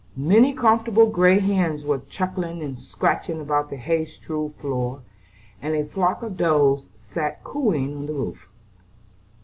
Many comfortable gray hens were clucking and scratching about the hay strewn floor, and a flock of doves sat cooing on the roof.